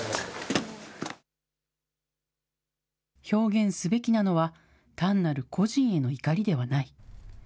表現すべきなのは、単なる個人への怒りではない。